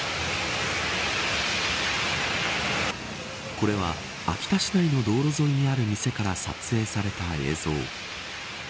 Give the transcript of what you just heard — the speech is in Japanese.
これは、秋田市内の道路沿いにある店から撮影された映像。